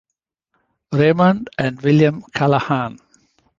Raymond and William Callahan.